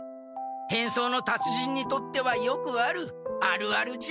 変装の達人にとってはよくあるあるあるじゃ。